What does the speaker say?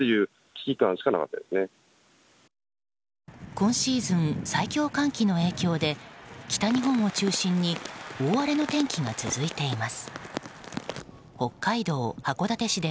今シーズン最強寒気の影響で北日本を中心に大荒れの天気が続いています。